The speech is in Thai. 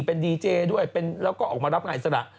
เป็นดีเจด้วยแล้วก็ออกมารับงานอิสระ